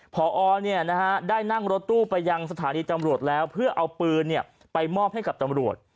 พอได้นั่งรถตู้ไปยังสถานีตำรวจแล้วเพื่อเอาปืนไปมอบให้กับตำรวจ